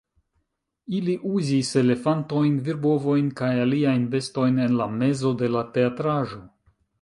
Ili uzis elefantojn, virbovojn kaj aliajn bestojn en la mezo de la teatraĵo